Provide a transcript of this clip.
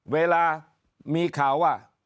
เวลามีข่าวว่า